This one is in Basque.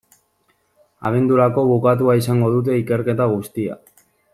Abendurako bukatua izango dute ikerketa guztia.